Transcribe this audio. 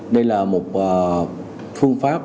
đây là một phương pháp